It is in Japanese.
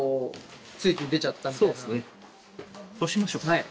はい。